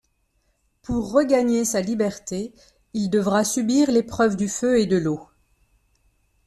Pour regagner sa liberté, il devra subir l'épreuve du feu et de l'eau...